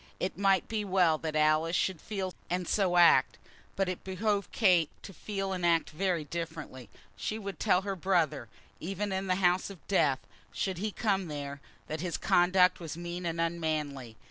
It might be well that Alice should so feel and so act, but it behoved Kate to feel and act very differently. She would tell her brother, even in the house of death, should he come there, that his conduct was mean and unmanly.